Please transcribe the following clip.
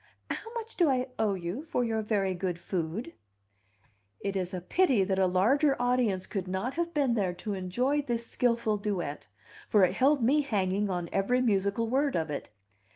How much do I owe you for your very good food?" It is a pity that a larger audience could not have been there to enjoy this skilful duet, for it held me hanging on every musical word of it.